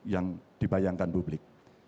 yang dibayangkan publik